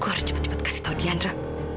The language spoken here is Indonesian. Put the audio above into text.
kau harus cepat cepat kasih tahu dianra